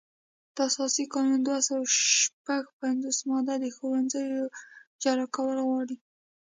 د اساسي قانون دوه سوه شپږ پنځوسمه ماده د ښوونځیو جلا کول غواړي.